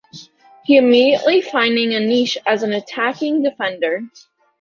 He immediately finding a niche as an attacking defender.